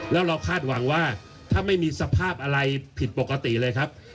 แล้วเราคาดหวังว่าถ้าไม่มีสภาพอะไรผิดปกติเลยครับ